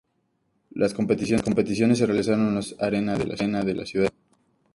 Las competiciones se realizaron en la Emirates Arena de la ciudad escocesa.